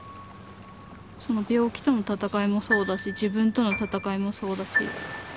その病気との闘いもそうだし自分との闘いもそうだし。